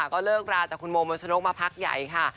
ก็เลิกราจากคุณโมมัชนกมาพักใหญ่ค่ะ